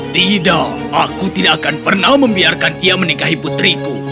tidak aku tidak akan pernah membiarkan ia menikahi putriku